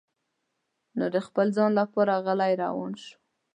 نو د خپل ځان لپاره غلی روان شو.